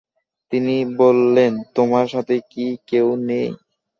তিনি বললেন, তোমার সাথে কি কেউ নেই?